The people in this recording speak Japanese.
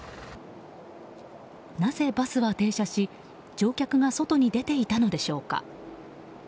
なぜバスは停車し乗客が外に出ていたのでしょうか。